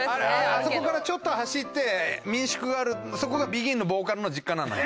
あそこからちょっと走って民宿があるそこがＢＥＧＩＮのボーカルの実家なのよ。